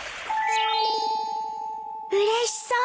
うれしそう！